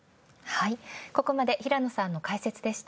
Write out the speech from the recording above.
ここまで平野さんの解説でした。